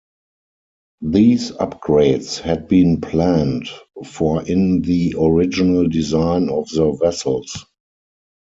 These upgrades had been planned for in the original design of the vessels.